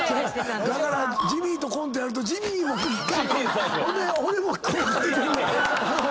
⁉だからジミーとコントやるとジミーもほんで俺もこうかいてんねん。